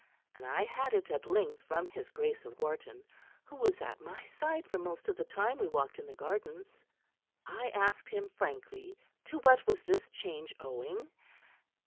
And I had it, at length, from his Grace of Wharton, who was at my side for most of the time we walked in the gardens. I asked him frankly to what was this change owing.